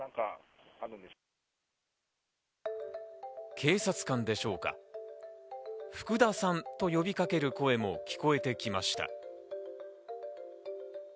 警察官でしょうか、フクダさんと呼びかける声も聞こえてきました。